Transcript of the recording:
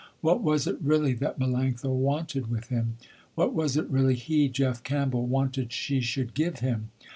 What was it really that Melanctha wanted with him? What was it really, he, Jeff Campbell, wanted she should give him?